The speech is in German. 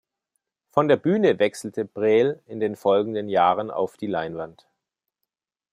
Von der Bühne wechselte Brel in den folgenden Jahren auf die Leinwand.